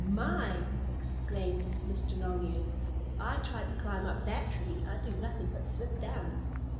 "My!" exclaimed Mr. Longears. "If I tried to climb up that tree I'd do nothing but slip down."